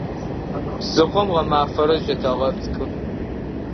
Псыхъом гъэмафэрэ зыщытэгъэпскӏы.